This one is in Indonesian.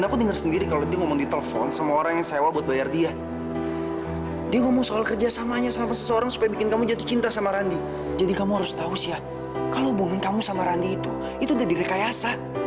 kalau hubungan kamu sama randi itu itu udah direkayasa